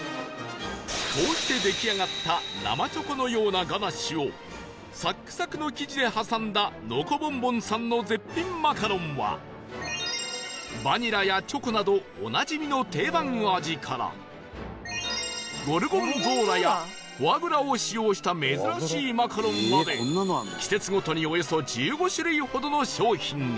こうして出来上がった生チョコのようなガナッシュをサックサクの生地で挟んだノコボンボンさんの絶品マカロンはバニラやチョコなどおなじみの定番の味からゴルゴンゾーラやフォアグラを使用した珍しいマカロンまで季節ごとにおよそ１５種類ほどの商品が